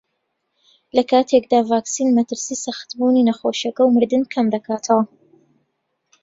لەکاتێکدا ڤاکسین مەترسیی سەختبوونی نەخۆشییەکە و مردن کەمدەکاتەوە